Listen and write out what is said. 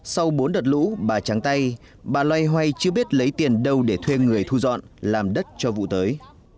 sau bốn đợt lũ bà trắng tay bà loay hoay chưa biết lấy tiền đâu để thuê người thu dọn làm đất cho vụ tới